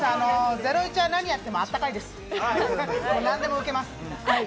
『ゼロイチ』は何やっても温かいです。